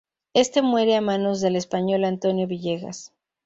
Este muere a manos del español Antonio Villegas.